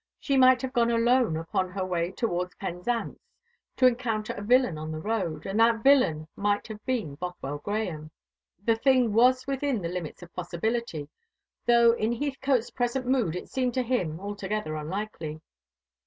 She might have gone alone upon her way towards Penzance, to encounter a villain on the road, and that villain might have been Bothwell Grahame. The thing was within the limits of possibility; though in Heathcote's present mood it seemed to him altogether unlikely.